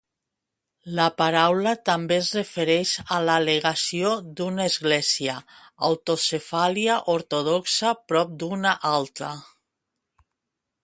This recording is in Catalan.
La paraula també es refereix a la legació d'una Església autocefàlia ortodoxa prop d'una altra.